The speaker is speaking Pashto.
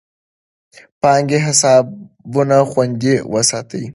بانکي حسابونه خوندي وساتئ.